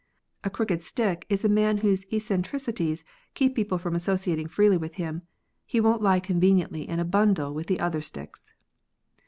A crooked stick is a man whose eccentricities keep people from associating freely with him ; he won't lie conveniently in a bundle with the other sticks.